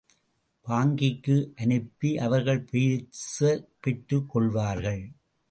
பாங்கிக்கு அனுப்பி அவர்கள் காசு பெற்றுக் கொள்வார்கள்.